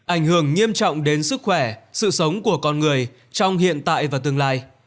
ảnh hưởng nghiêm trọng đến sức khỏe sự sống của con người trong hiện tại và tương lai